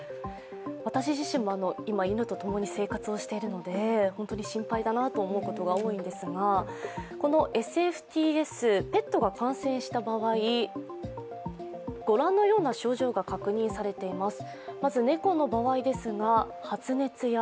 私自身も今、犬と共に生活をしているので本当に心配だなと思うことが多いんですが、このＳＦＴＳ、ペットが感染した場合、御覧のような症状が確認されています。